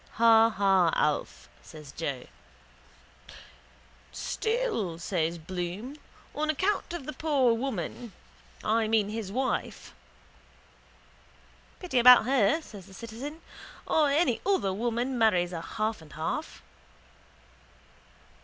—Ha ha, Alf, says Joe. —Still, says Bloom, on account of the poor woman, I mean his wife. —Pity about her, says the citizen. Or any other woman marries a half and half.